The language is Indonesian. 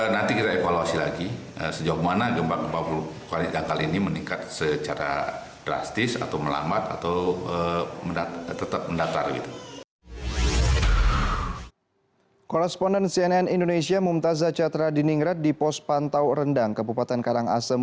nanti kita evaluasi lagi sejauh mana gempa vulkanik dangkal ini meningkat secara drastis atau melambat atau tetap mendatar